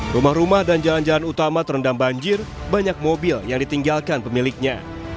rumah rumah dan jalan jalan utama terendam banjir banyak mobil yang ditinggalkan pemiliknya